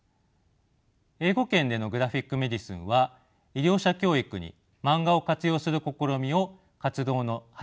英語圏でのグラフィック・メディスンは医療者教育にマンガを活用する試みを活動の柱にしています。